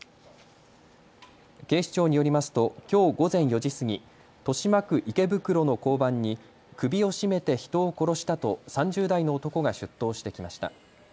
警視庁によりますときょう午前４時過ぎ、豊島区池袋の交番に首を絞めて人を殺したと３０代の男が出頭してきました。